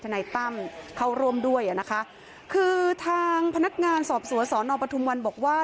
นายตั้มเข้าร่วมด้วยอ่ะนะคะคือทางพนักงานสอบสวนสอนอปทุมวันบอกว่า